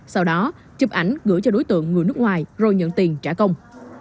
sau đó chụp ảnh gửi cho đối tượng người nước ngoài rồi nhận tiền trả công